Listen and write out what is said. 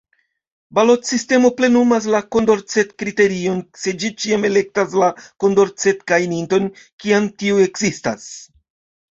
Balotsistemo plenumas la Kondorcet-kriterion, se ĝi ĉiam elektas la Kondorcet-gajninton, kiam tiu ekzistas.